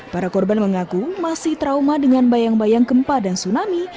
para korban mengaku masih trauma dengan bayang bayang gempa dan tsunami